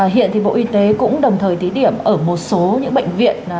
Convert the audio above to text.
hiện thì bộ y tế cũng đồng thời thí điểm ở một số những bệnh viện